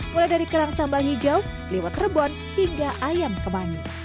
mulai dari kerang sambal hijau lewat rebun hingga ayam kembali